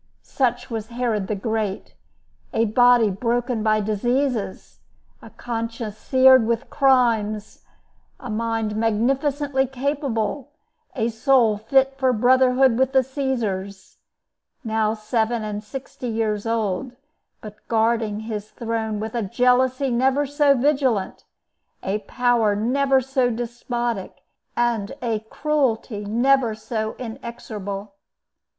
Such was Herod the Great—a body broken by diseases, a conscience seared with crimes, a mind magnificently capable, a soul fit for brotherhood with the Caesars; now seven and sixty years old, but guarding his throne with a jealousy never so vigilant, a power never so despotic, and a cruelty never so inexorable.